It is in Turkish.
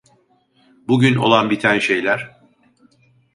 Bugün olan biten şeyler?